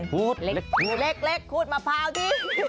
เหล็กขูดมะพร้าวดิ